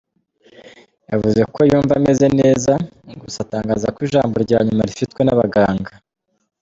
Yavuze ko yumva ameze neza gusa atangaza ko ijambo rya nyuma rifitwe n’abaganga.